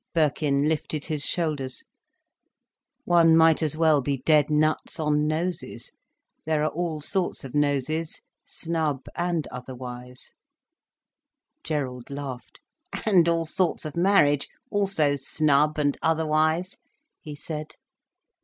Birkin lifted his shoulders. "One might as well be dead nuts on noses. There are all sorts of noses, snub and otherwise—" Gerald laughed. "And all sorts of marriage, also snub and otherwise?" he said.